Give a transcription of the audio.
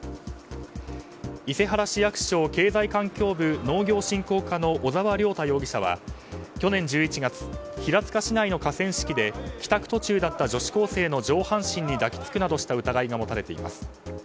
伊勢原市経済環境部農業振興課の小澤亮太容疑者は去年１１月、平塚市内の河川敷で帰宅途中だった女子高生の上半身に抱き付くなどした疑いが持たれています。